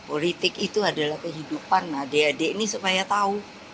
politik itu adalah kehidupan adik adik ini supaya tahu